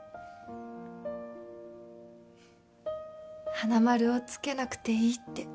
花丸をつけなくていいって